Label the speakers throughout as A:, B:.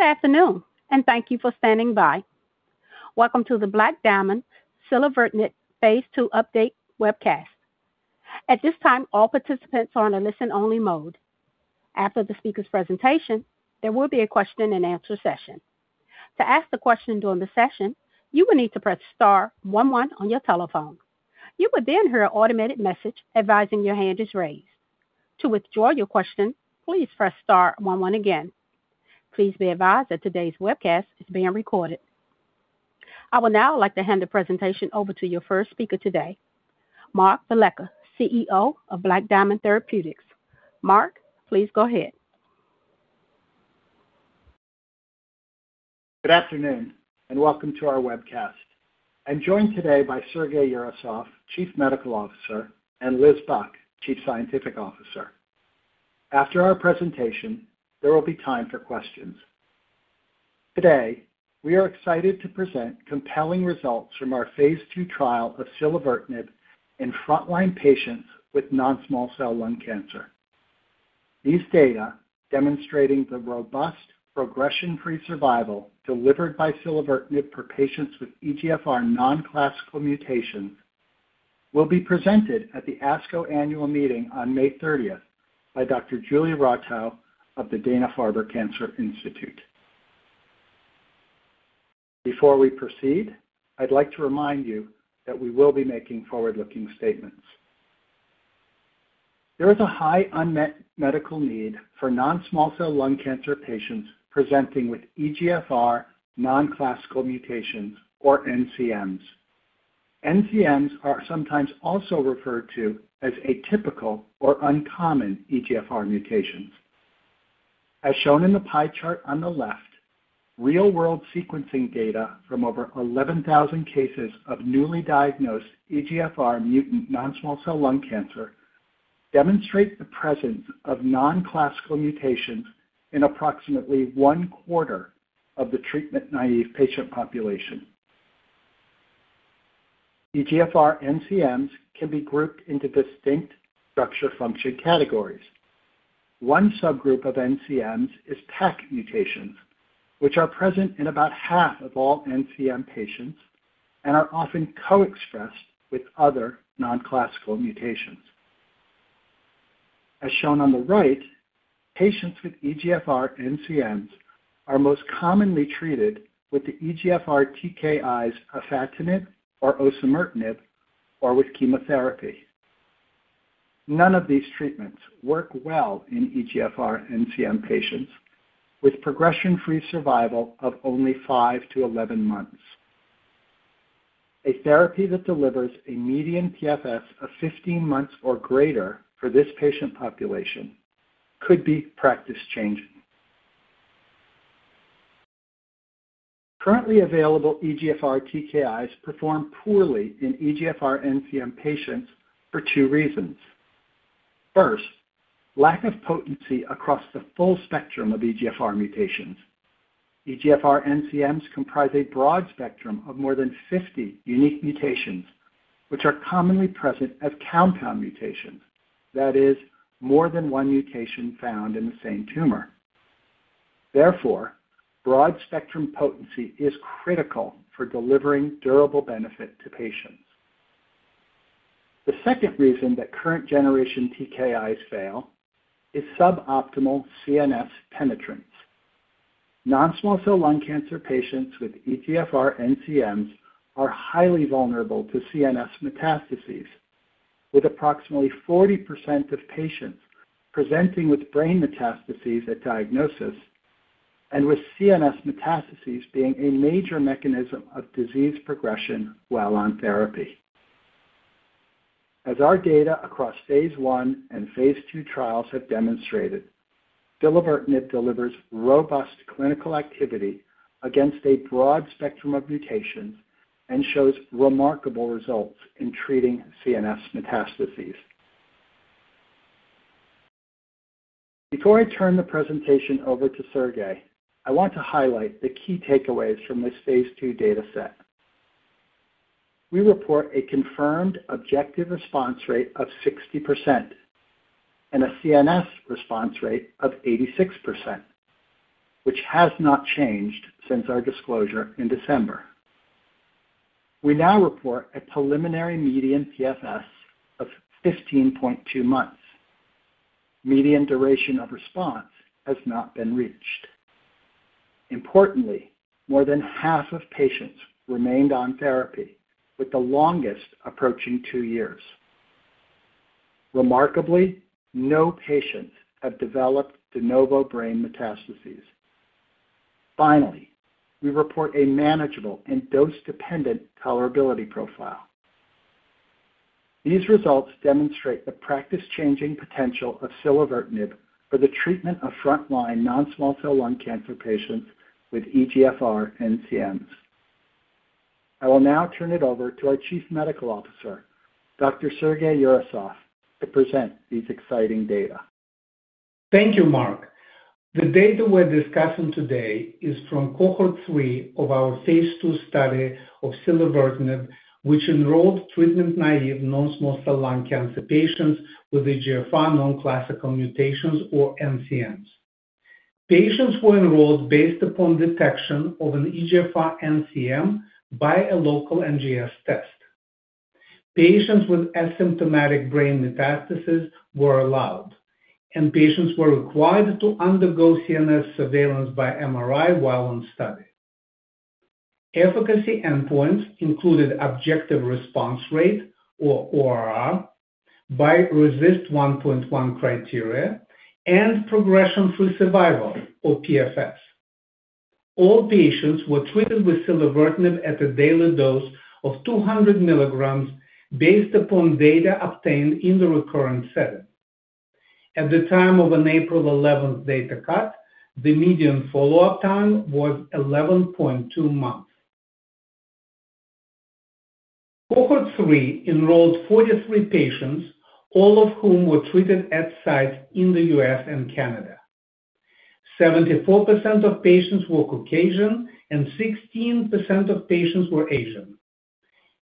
A: Good afternoon, and thank you for standing by. Welcome to the Black Diamond silevertinib phase II update webcast. At this time, all participants are in a listen-only mode. After the speaker's presentation, there will be a question and answer session. To ask the question during the session, you will need to press star one one on your telephone. You will then hear an automated message advising your hand is raised. To withdraw your question, please press star one one again. Please be advised that today's webcast is being recorded. I would now like to hand the presentation over to your first speaker today, Mark Velleca, CEO of Black Diamond Therapeutics. Mark, please go ahead.
B: Good afternoon and welcome to our webcast. I'm joined today by Sergey Yurasov, Chief Medical Officer, and Liz Buck, Chief Scientific Officer. After our presentation, there will be time for questions. Today, we are excited to present compelling results from our phase II trial of silevertinib in frontline patients with non-small cell lung cancer. These data, demonstrating the robust progression-free survival delivered by silevertinib for patients with EGFR Non-Classical Mutations, will be presented at the ASCO annual meeting on May 30th by Dr. Julia Rotow of the Dana-Farber Cancer Institute. Before we proceed, I'd like to remind you that we will be making forward-looking statements. There is a high unmet medical need for non-small cell lung cancer patients presenting with EGFR Non-Classical Mutations, or NCMs. NCMs are sometimes also referred to as atypical or uncommon EGFR mutations. As shown in the pie chart on the left, real-world sequencing data from over 11,000 cases of newly diagnosed EGFR mutant non-small cell lung cancer demonstrate the presence of Non-Classical Mutations in approximately one-quarter of the treatment-naive patient population. EGFR NCMs can be grouped into distinct structure-function categories. One subgroup of NCMs is PACC mutations, which are present in about half of all NCM patients and are often co-expressed with other Non-Classical Mutations. As shown on the right, patients with EGFR NCMs are most commonly treated with the EGFR TKIs afatinib or osimertinib, or with chemotherapy. None of these treatments work well in EGFR NCM patients, with progression-free survival of only 5-11 months. A therapy that delivers a median PFS of 15 months or greater for this patient population could be practice-changing. Currently available EGFR TKIs perform poorly in EGFR NCM patients for two reasons. First, lack of potency across the full spectrum of EGFR mutations. EGFR NCMs comprise a broad spectrum of more than 50 unique mutations, which are commonly present as compound mutations. That is, more than one mutation found in the same tumor. Broad-spectrum potency is critical for delivering durable benefit to patients. The second reason that current-generation TKIs fail is suboptimal CNS penetrance. Non-small cell lung cancer patients with EGFR NCMs are highly vulnerable to CNS metastases, with approximately 40% of patients presenting with brain metastases at diagnosis and with CNS metastases being a major mechanism of disease progression while on therapy. As our data across phase I and phase II trials have demonstrated, silevertinib delivers robust clinical activity against a broad spectrum of mutations and shows remarkable results in treating CNS metastases. Before I turn the presentation over to Sergey, I want to highlight the key takeaways from this phase II data set. We report a confirmed objective response rate of 60% and a CNS response rate of 86%, which has not changed since our disclosure in December. We now report a preliminary median PFS of 15.2 months. Median duration of response has not been reached. Importantly, more than half of patients remained on therapy, with the longest approaching two years. Remarkably, no patients have developed de novo brain metastases. Finally, we report a manageable and dose-dependent tolerability profile. These results demonstrate the practice-changing potential of silevertinib for the treatment of frontline non-small cell lung cancer patients with EGFR NCMs. I will now turn it over to our Chief Medical Officer, Dr. Sergey Yurasov, to present these exciting data.
C: Thank you, Mark. The data we're discussing today is from cohort 3 of our phase II study of silevertinib, which enrolled treatment-naive non-small cell lung cancer patients with EGFR Non-Classical Mutations or NCMs. Patients were enrolled based upon detection of an EGFR NCM by a local NGS test. Patients with asymptomatic brain metastases were allowed, and patients were required to undergo CNS surveillance by MRI while on study. Efficacy endpoints included objective response rate, or ORR, by RECIST 1.1 criteria and progression-free survival or PFS. All patients were treated with silevertinib at a daily dose of 200 mg based upon data obtained in the recurrent setting. At the time of an April 11th data cut, the median follow-up time was 11.2 months. Cohort 3 enrolled 43 patients, all of whom were treated at site in the U.S. and Canada. 74% of patients were Caucasian, and 16% of patients were Asian.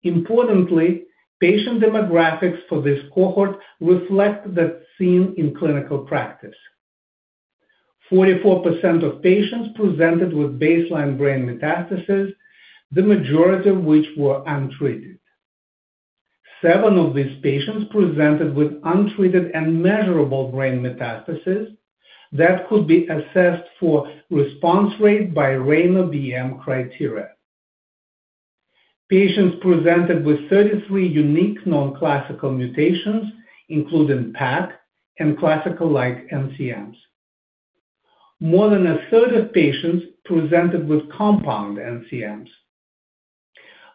C: Importantly, patient demographics for this cohort reflect that seen in clinical practice. 44% of patients presented with baseline brain metastases, the majority of which were untreated. Seven of these patients presented with untreated and measurable brain metastases that could be assessed for response rate by RANO-BM criteria. Patients presented with 33 unique Non-Classical Mutations, including PACC and classical-like NCMs. More than a third of patients presented with compound NCMs.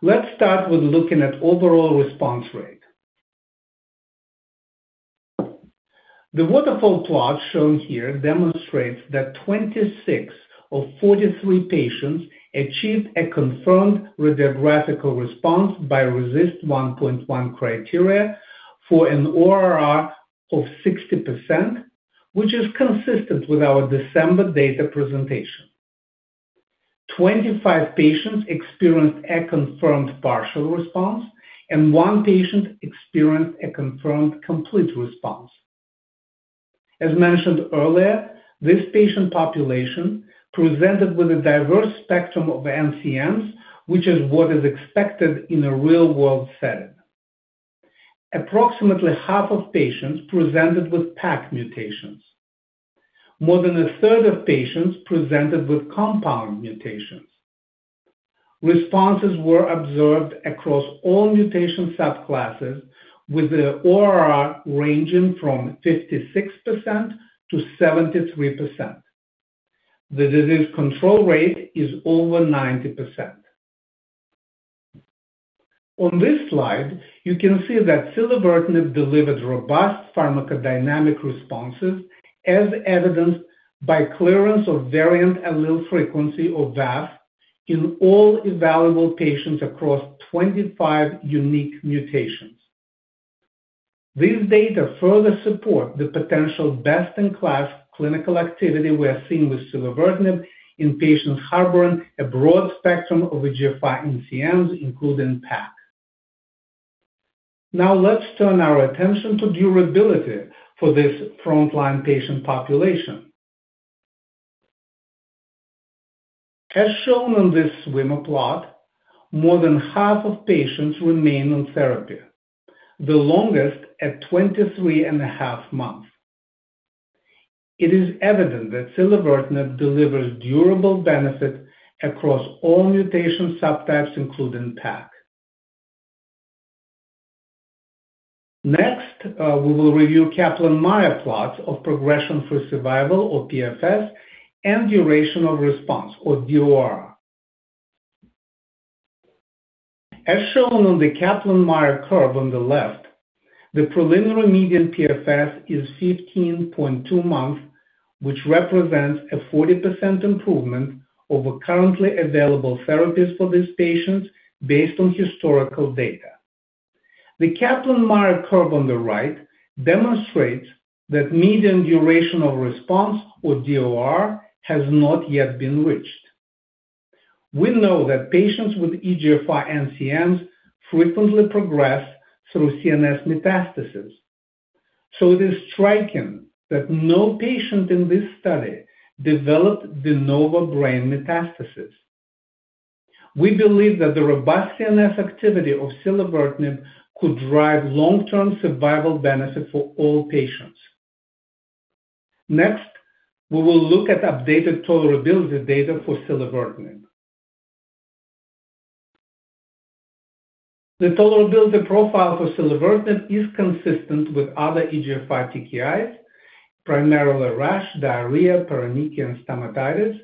C: Let's start with looking at overall response rate. The waterfall plot shown here demonstrates that 26 of 43 patients achieved a confirmed radiographical response by RECIST 1.1 criteria for an ORR of 60%, which is consistent with our December data presentation. 25 patients experienced a confirmed partial response, and one patient experienced a confirmed complete response. As mentioned earlier, this patient population presented with a diverse spectrum of NCMs, which is what is expected in a real-world setting. Approximately half of patients presented with PACC mutations. More than a third of patients presented with compound mutations. Responses were observed across all mutation subclasses, with the ORR ranging from 56%-73%. The disease control rate is over 90%. On this slide, you can see that silevertinib delivered robust pharmacodynamic responses as evidenced by clearance of variant allele frequency of VAF in all evaluable patients across 25 unique mutations. These data further support the potential best-in-class clinical activity we are seeing with silevertinib in patients harboring a broad spectrum of EGFR NCMs, including PACC. Let's turn our attention to durability for this frontline patient population. As shown on this swim plot, more than half of patients remain on therapy, the longest at 23 and a half months. It is evident that silevertinib delivers durable benefit across all mutation subtypes, including PACC. Next, we will review Kaplan-Meier plots of progression-free survival, or PFS, and duration of response, or DOR. As shown on the Kaplan-Meier curve on the left, the preliminary median PFS is 15.2 months, which represents a 40% improvement over currently available therapies for these patients based on historical data. The Kaplan-Meier curve on the right demonstrates that median duration of response, or DOR, has not yet been reached. We know that patients with EGFR NCMs frequently progress through CNS metastasis, so it is striking that no patient in this study developed de novo brain metastasis. We believe that the robust CNS activity of silevertinib could drive long-term survival benefit for all patients. Next, we will look at updated tolerability data for silevertinib. The tolerability profile for silevertinib is consistent with other EGFR TKIs, primarily rash, diarrhea, paronychia, and stomatitis,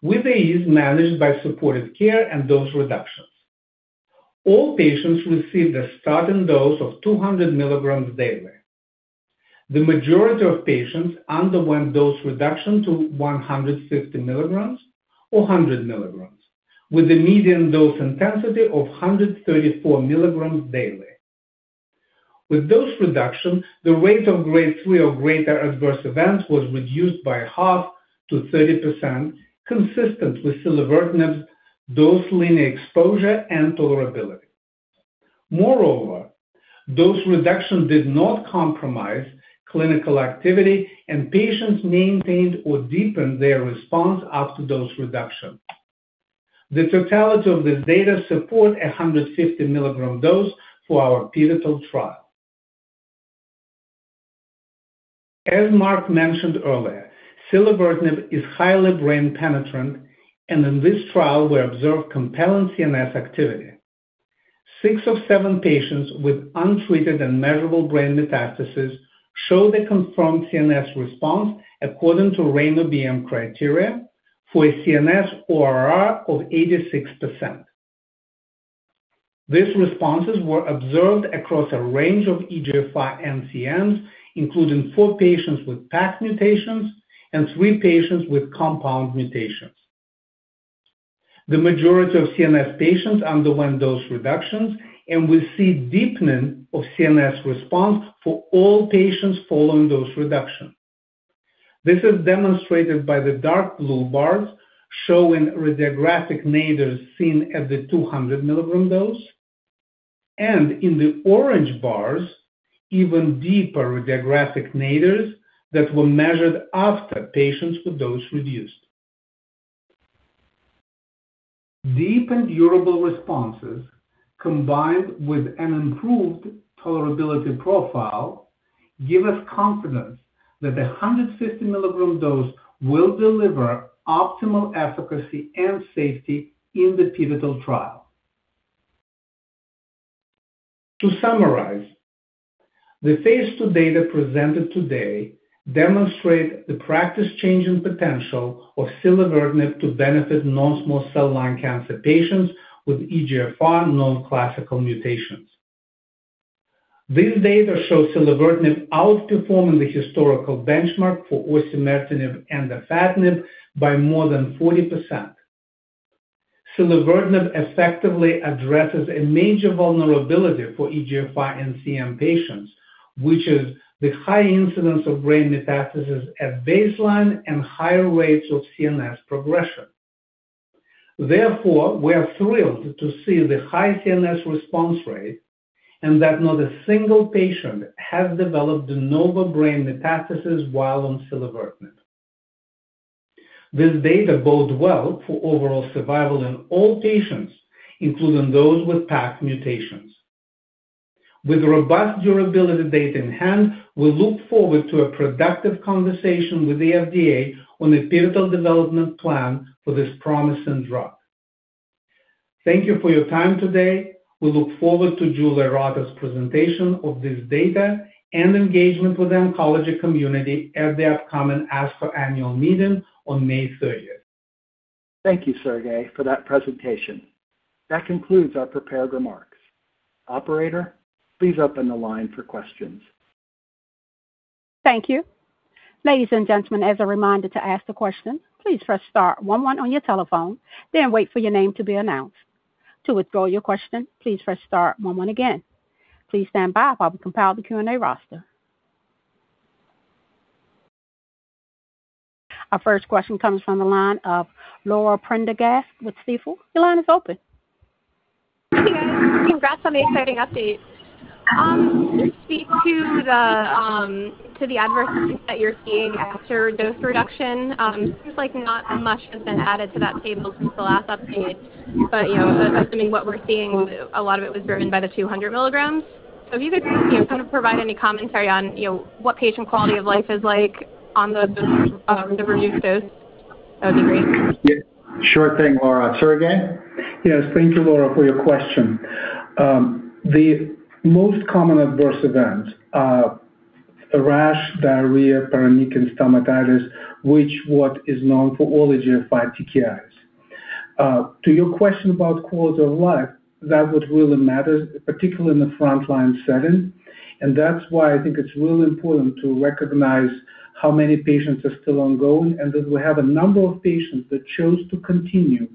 C: with these managed by supportive care and dose reductions. All patients received a starting dose of 200 mg daily. The majority of patients underwent dose reduction to 150 mg or 100 mg, with a median dose intensity of 134 mg daily. With dose reduction, the rate of Grade 3 or greater adverse events was reduced by half to 30%, consistent with silevertinib's dose linear exposure and tolerability. Dose reduction did not compromise clinical activity, and patients maintained or deepened their response after dose reduction. The totality of this data support 150 mg dose for our pivotal trial. As Mark mentioned earlier, silevertinib is highly brain penetrant, and in this trial we observed compelling CNS activity. Six of seven patients with untreated and measurable brain metastases showed a confirmed CNS response according to RANO-BM criteria for a CNS ORR of 86%. These responses were observed across a range of EGFR NCMs, including four patients with PACC mutations and three patients with compound mutations. The majority of CNS patients underwent dose reductions, and we see deepening of CNS response for all patients following dose reduction. This is demonstrated by the dark blue bars showing radiographic nadirs seen at the 200 mg dose, and in the orange bars, even deeper radiographic nadirs that were measured after patients with dose reduced. Deep and durable responses, combined with an improved tolerability profile, give us confidence that 150 mg dose will deliver optimal efficacy and safety in the pivotal trial. To summarize, the phase II data presented today demonstrate the practice-changing potential of silevertinib to benefit non-small cell lung cancer patients with EGFR Non-Classical Mutations. This data shows silevertinib outperforming the historical benchmark for osimertinib and afatinib by more than 40%. Silevertinib effectively addresses a major vulnerability for EGFR NCMs patients, which is the high incidence of brain metastasis at baseline and higher rates of CNS progression. Therefore, we are thrilled to see the high CNS response rate and that not a single patient has developed de novo brain metastasis while on silevertinib. This data bodes well for overall survival in all patients, including those with PACC mutations. With robust durability data in hand, we look forward to a productive conversation with the FDA on a pivotal development plan for this promising drug. Thank you for your time today. We look forward to Julia Rotow's presentation of this data and engagement with the oncology community at the upcoming ASCO annual meeting on May 30th.
B: Thank you, Sergey, for that presentation. That concludes our prepared remarks. Operator, please open the line for questions.
A: Thank you. Ladies and gentlemen, as a reminder to ask the question, please press star one one on your telephone, then wait for your name to be announced. To withdraw your question, please press star one one again. Please stand by while we compile the Q&A roster. Our first question comes from the line of Laura Prendergast with Stifel. Your line is open.
D: Hey, guys. Congrats on the exciting update. Could you speak to the adversities that you're seeing after dose reduction? It seems like not much has been added to that table since the last update, but assuming what we're seeing, a lot of it was driven by the 200 mg. If you could kind of provide any commentary on what patient quality of life is like on the reduced dose, that would be great.
B: Yeah, sure thing, Laura. Sergey?
C: Yes, thank you, Laura, for your question. The most common adverse events are rash, diarrhea, paronychia and stomatitis, which what is known for all EGFR TKIs. To your question about quality of life, that would really matter, particularly in the frontline setting, and that's why I think it's really important to recognize how many patients are still ongoing and that we have a number of patients that chose to continue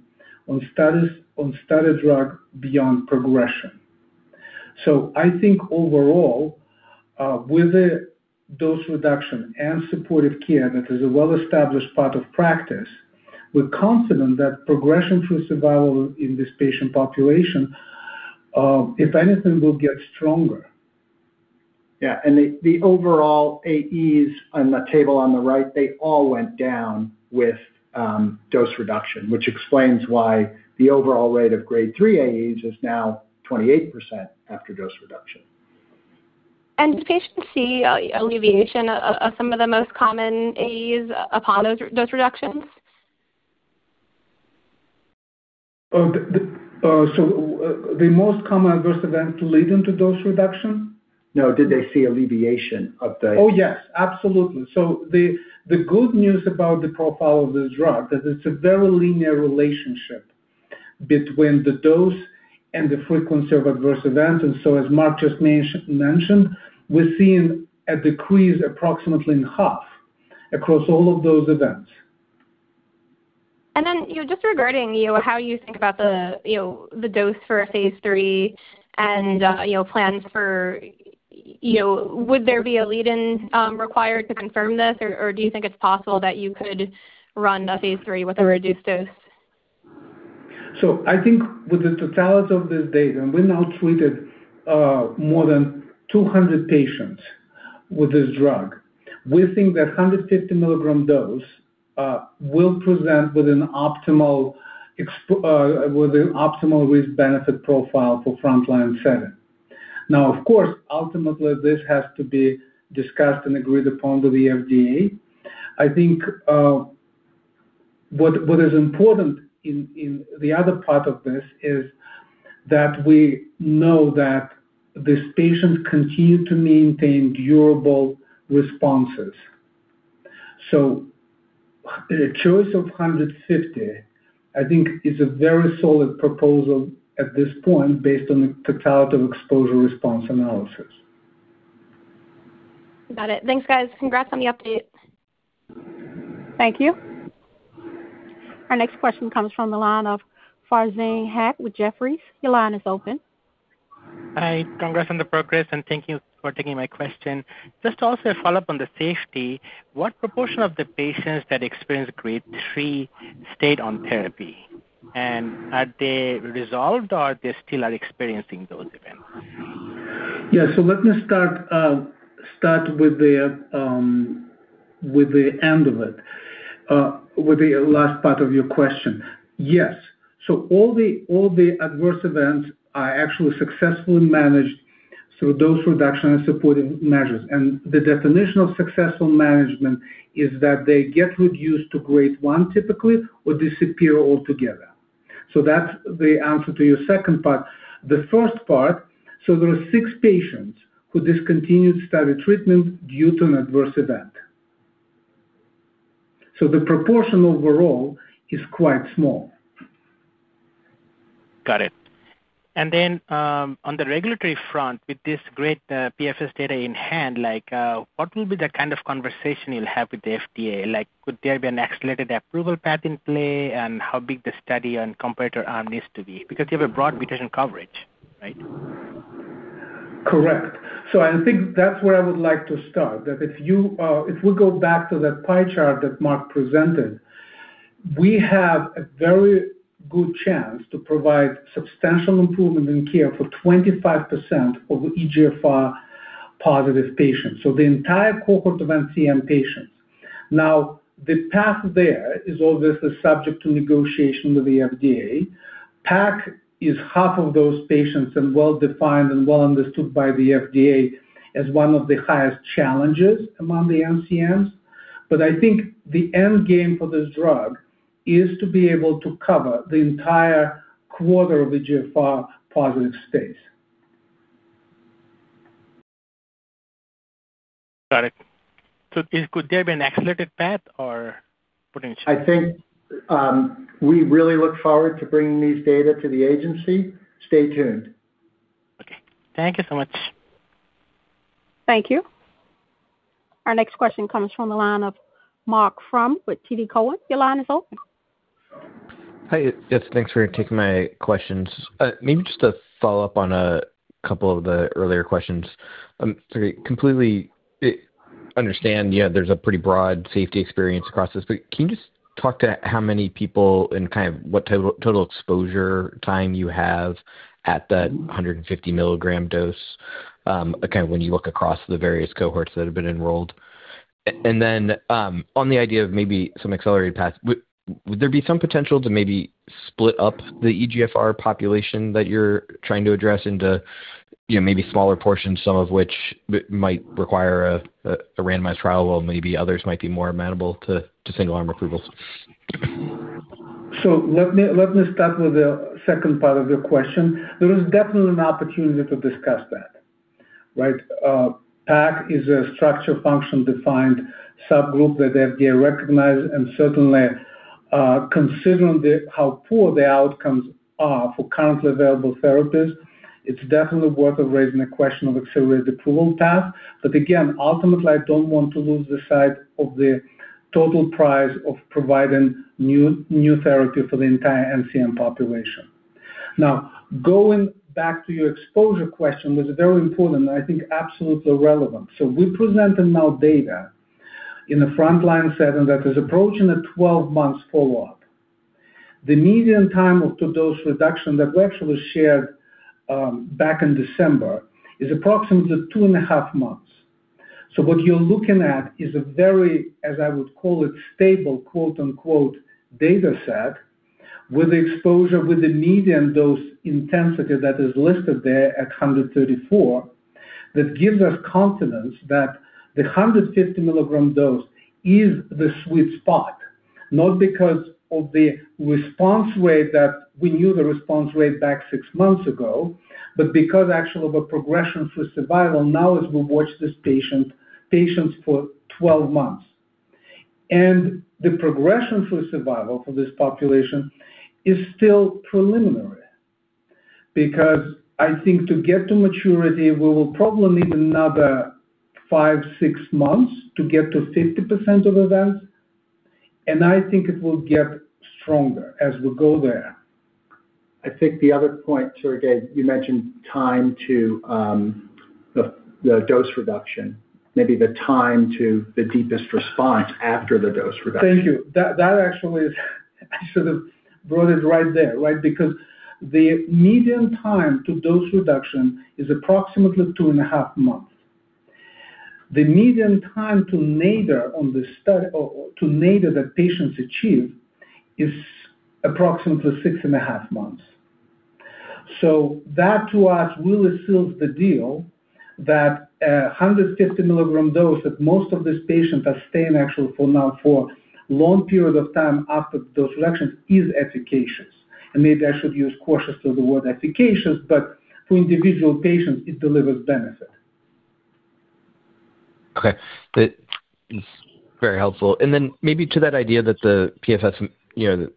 C: on study drug beyond progression. I think overall, with a dose reduction and supportive care, that is a well-established part of practice. We're confident that progression-free survival in this patient population, if anything, will get stronger.
B: Yeah. The overall AEs on the table on the right, they all went down with dose reduction, which explains why the overall rate of Grade 3 AEs is now 28% after dose reduction.
D: Do patients see alleviation of some of the most common AEs upon those dose reductions?
C: The most common adverse events leading to dose reduction?
B: No, did they see alleviation of the-
C: Oh, yes, absolutely. The good news about the profile of the drug, that it's a very linear relationship between the dose and the frequency of adverse events, as Mark just mentioned, we're seeing a decrease approximately in half across all of those events.
D: Just regarding how you think about the dose for phase III, would there be a lead-in required to confirm this, or do you think it's possible that you could run the phase III with a reduced dose?
C: I think with the totality of this data, and we now treated more than 200 patients with this drug, we think that 150 mg dose will present with an optimal risk-benefit profile for frontline setting. Of course, ultimately this has to be discussed and agreed upon with the FDA. I think what is important in the other part of this is that we know that these patients continue to maintain durable responses. The choice of 150, I think, is a very solid proposal at this point based on the totality of exposure response analysis.
D: Got it. Thanks, guys. Congrats on the update.
A: Thank you. Our next question comes from the line of Farzin Haque with Jefferies.
E: Hi. Congrats on the progress, and thank you for taking my question. Just also a follow-up on the safety. What proportion of the patients that experienced Grade 3 stayed on therapy? Are they resolved, or they still are experiencing those events?
C: Yeah. Let me start with the end of it, with the last part of your question. Yes. All the adverse events are actually successfully managed through dose reduction and supporting measures. The definition of successful management is that they get reduced to Grade 1 typically or disappear altogether. That's the answer to your second part. The first part, there are six patients who discontinued study treatment due to an adverse event. The proportion overall is quite small.
E: Got it. On the regulatory front, with this great PFS data in hand, what will be the kind of conversation you'll have with the FDA? Could there be an accelerated approval path in play, and how big the study and comparator arm needs to be? Because you have a broad mutation coverage, right?
C: Correct. I think that's where I would like to start, that if we go back to that pie chart that Mark presented, we have a very good chance to provide substantial improvement in care for 25% of EGFR-positive patients, so the entire cohort of NCM patients. The path there is always subject to negotiation with the FDA. PACC is half of those patients and well-defined and well understood by the FDA as one of the highest challenges among the NCMs. I think the end game for this drug is to be able to cover the entire quarter of EGFR-positive space.
E: Got it. Could there be an accelerated path or potentially?
C: I think we really look forward to bringing these data to the agency. Stay tuned.
E: Okay. Thank you so much.
A: Thank you. Our next question comes from the line of Marc Frahm with TD Cowen. Your line is open.
F: Hi. Yes, thanks for taking my questions. Just a follow-up on a couple of the earlier questions. I completely understand, yeah, there's a pretty broad safety experience across this. Can you just talk to how many people and what total exposure time you have at that 150 mg dose, when you look across the various cohorts that have been enrolled? On the idea of maybe some accelerated path, would there be some potential to maybe split up the EGFR population that you're trying to address into maybe smaller portions, some of which might require a randomized trial, while maybe others might be more amenable to single-arm approvals?
C: Let me start with the second part of your question. There is definitely an opportunity to discuss that. Right? PACC is a structure function-defined subgroup that the FDA recognized, and certainly considering how poor the outcomes are for currently available therapies, it's definitely worth raising a question of accelerated approval path. Again, ultimately, I don't want to lose the sight of the total prize of providing new therapy for the entire NCM population. Going back to your exposure question, which is very important, I think absolutely relevant. We're presenting now data in the frontline setting that is approaching a 12-month follow-up. The median time to dose reduction that we actually shared back in December is approximately two and a half months. What you're looking at is a very, as I would call it, stable, quote unquote, data set with exposure with the median dose intensity that is listed there at 134, that gives us confidence that the 150 mg dose is the sweet spot, not because of the response rate that we knew the response rate back six months ago, but because actually of a progression-free survival now as we watch these patients for 12 months. The progression-free survival for this population is still preliminary because I think to get to maturity, we will probably need another five, six months to get to 50% of events, and I think it will get stronger as we go there.
B: I think the other point, Sergey, you mentioned time to the dose reduction, maybe the time to the deepest response after the dose reduction.
C: Thank you. That actually is I should have brought it right there. The median time to dose reduction is approximately two and a half months. The median time to nadir that patients achieve is approximately six and a half months. That to us really seals the deal that 150 mg dose that most of these patients are staying actually for now for long period of time after dose reduction is efficacious. Maybe I should use cautious to the word efficacious, but to individual patients, it delivers benefit.
F: Okay. That is very helpful. Maybe to that idea that the PFS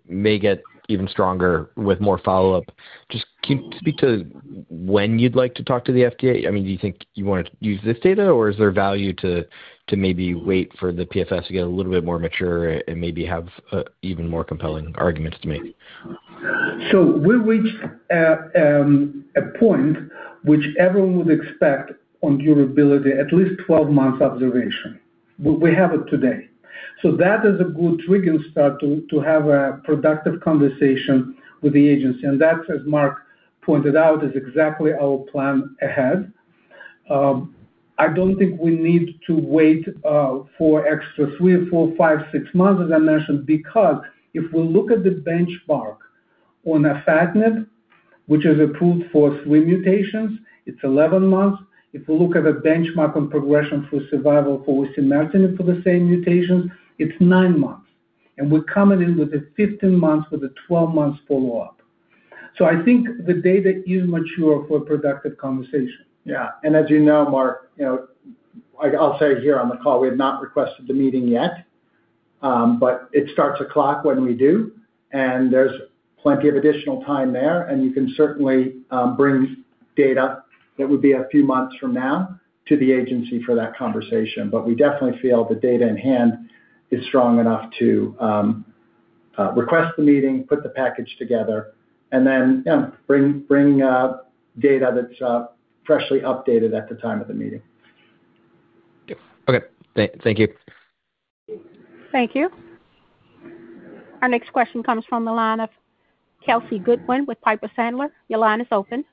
F: may get even stronger with more follow-up, just can you speak to when you'd like to talk to the FDA? Do you think you want to use this data or is there value to maybe wait for the PFS to get a little bit more mature and maybe have even more compelling arguments to make?
C: We reached a point which everyone would expect on durability at least 12 months observation. We have it today. That is a good trigger start to have a productive conversation with the agency. That, as Mark pointed out, is exactly our plan ahead. I don't think we need to wait for extra three or four, five, six months, as I mentioned, because if we look at the benchmark on afatinib, which is approved for three mutations, it's 11 months. If we look at a benchmark on progression-free survival for osimertinib for the same mutations, it's nine months. We're coming in with a 15 months with a 12 months follow-up. I think the data is mature for productive conversation.
B: Yeah. As you know, Marc, I'll say here on the call, we have not requested the meeting yet. It starts a clock when we do, and there's plenty of additional time there, and you can certainly bring data that would be a few months from now to the agency for that conversation. We definitely feel the data in hand is strong enough to request the meeting, put the package together, and then, yeah, bring data that's freshly updated at the time of the meeting.
F: Okay. Thank you.
A: Thank you. Our next question comes from the line of Kelsey Goodwin with Piper Sandler. Your line is open.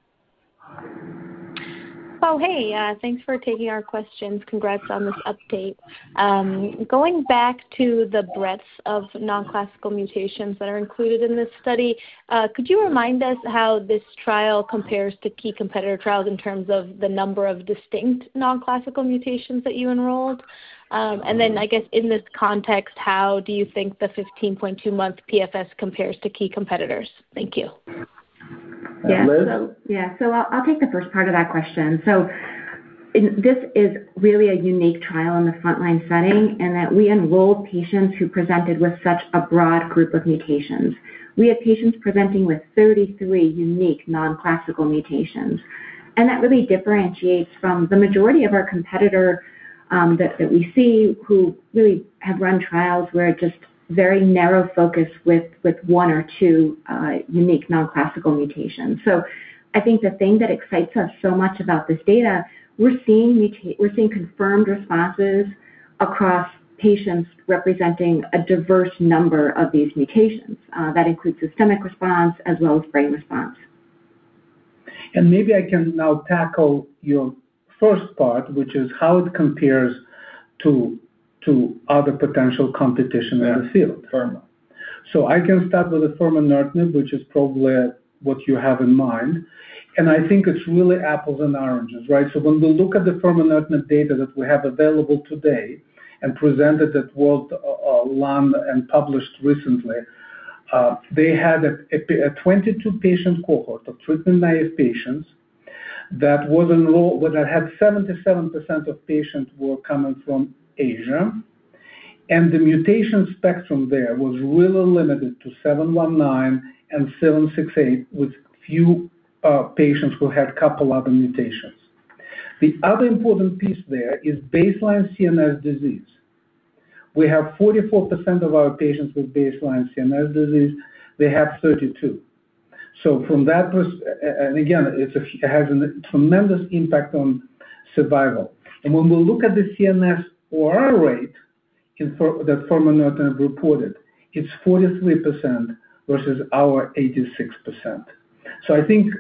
G: Hey, thanks for taking our questions. Congrats on this update. Going back to the breadth of Non-Classical Mutations that are included in this study, could you remind us how this trial compares to key competitor trials in terms of the number of distinct Non-Classical Mutations that you enrolled? I guess in this context, how do you think the 15.2-month PFS compares to key competitors? Thank you.
B: Liz?
H: Yeah. I'll take the first part of that question. This is really a unique trial in the frontline setting in that we enrolled patients who presented with such a broad group of mutations. We had patients presenting with 33 unique Non-Classical Mutations, and that really differentiates from the majority of our competitor that we see who really have run trials where just very narrow focus with one or two unique Non-Classical Mutations. I think the thing that excites us so much about this data, we're seeing confirmed responses across patients representing a diverse number of these mutations. That includes systemic response as well as brain response.
C: Maybe I can now tackle your first part, which is how it compares to other potential competition in the field.
B: Yeah, pharma.
C: I can start with the furmonertinib, which is probably what you have in mind, and I think it's really apples and oranges, right? When we look at the furmonertinib data that we have available today and presented at World Conference on Lung Cancer and published recently, they had a 22-patient cohort of treatment-naive patients that had 77% of patients were coming from Asia, and the mutation spectrum there was really limited to 719 and 768, with few patients who had couple other mutations. The other important piece there is baseline CNS disease. We have 44% of our patients with baseline CNS disease. They have 32%. Again, it has a tremendous impact on survival. When we look at the CNS ORR rate that furmonertinib reported, it's 43% versus our 86%. I think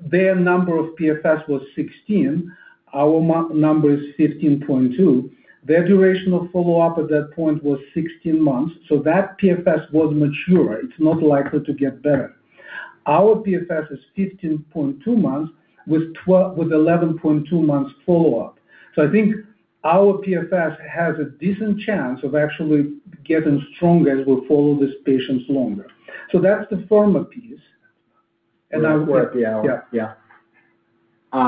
C: their number of PFS was 16. Our number is 15.2. Their duration of follow-up at that point was 16 months, so that PFS was mature. It's not likely to get better. Our PFS is 15.2 months with 11.2 months follow-up. I think our PFS has a decent chance of actually getting stronger as we follow these patients longer. That's the pharma piece.
B: For the hour.
C: Yeah.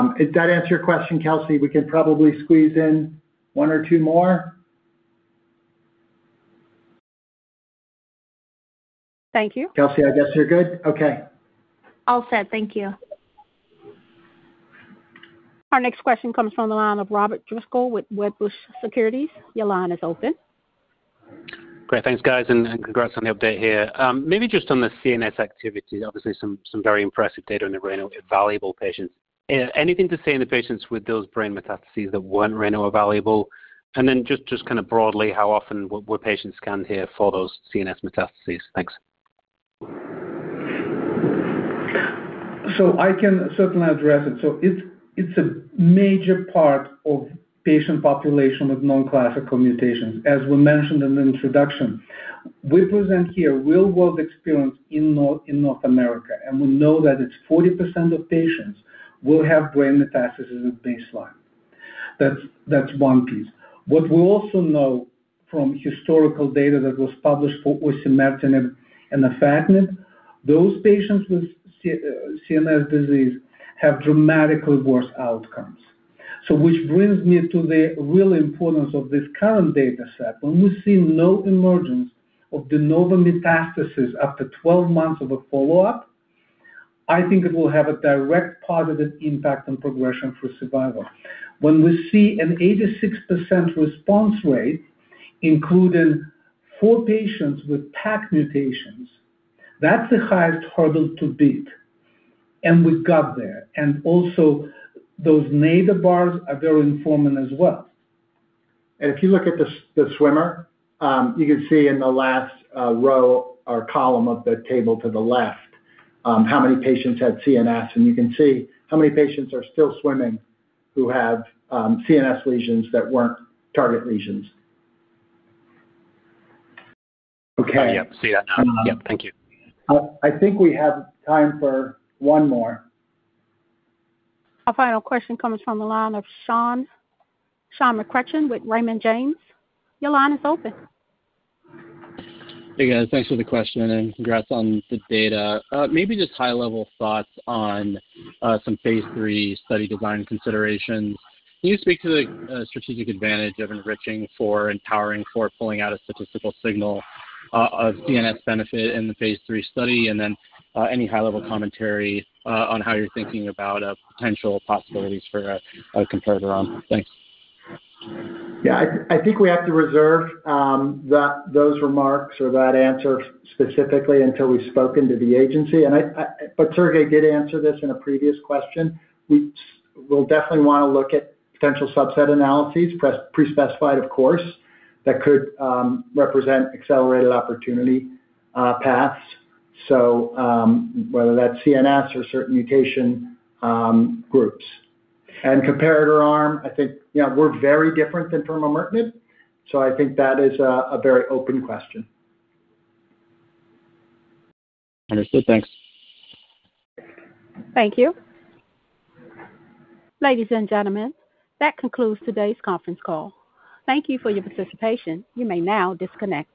B: Yeah. If that answered your question, Kelsey, we can probably squeeze in one or two more.
G: Thank you.
B: Kelsey, I guess you're good? Okay.
G: All set. Thank you.
A: Our next question comes from the line of Robert Driscoll with Wedbush Securities. Your line is open.
I: Great. Thanks, guys, and congrats on the update here. Maybe just on the CNS activity, obviously some very impressive data in the RANO evaluable patients. Anything to say in the patients with those brain metastases that weren't RANO evaluable? Just kind of broadly, how often would patients scan here for those CNS metastases? Thanks.
C: I can certainly address it. It's a major part of patient population with Non-Classical Mutations. As we mentioned in the introduction, we present here real-world experience in North America. We know that it's 40% of patients will have brain metastases as a baseline. That's one piece. What we also know from historical data that was published for osimertinib and afatinib, those patients with CNS disease have dramatically worse outcomes. Which brings me to the real importance of this current data set. When we see no emergence of de novo metastasis after 12 months of a follow-up, I think it will have a direct positive impact on progression-free survival. When we see an 86% response rate, including four patients with PACC mutations, that's the highest hurdle to beat. We got there. Also those nadir bars are very informing as well.
B: If you look at the Swimmer, you can see in the last row or column of the table to the left how many patients had CNS, and you can see how many patients are still swimming who have CNS lesions that weren't target lesions.
I: Okay. Yep. See that now. Yep. Thank you.
B: I think we have time for one more.
A: Our final question comes from the line of Sean McCutcheon with Raymond James. Your line is open.
J: Hey, guys. Thanks for the question, and congrats on the data. Maybe just high-level thoughts on some phase III study design considerations. Can you speak to the strategic advantage of enriching for and powering for pulling out a statistical signal of CNS benefit in the phase III study, and then any high-level commentary on how you're thinking about potential possibilities for a comparator arm? Thanks.
B: I think we have to reserve those remarks or that answer specifically until we've spoken to the agency. Sergey did answer this in a previous question. We'll definitely want to look at potential subset analyses, pre-specified of course, that could represent accelerated opportunity paths. Whether that's CNS or certain mutation groups. Comparator arm, I think, yeah, we're very different than furmonertinib, so I think that is a very open question.
J: Understood. Thanks.
A: Thank you. Ladies and gentlemen, that concludes today's conference call. Thank you for your participation. You may now disconnect.